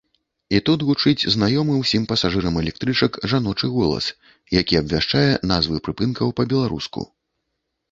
І тут гучыць знаёмы ўсім пасажырам электрычак жаночы голас, які абвяшчае назвы прыпынкаў па-беларуску.